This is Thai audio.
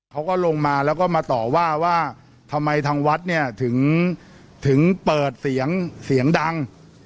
เขาก็ลงมาแล้วก็มาต่อว่าว่าทำไมทางวัดเนี่ยถึงเปิดเสียงเสียงดัง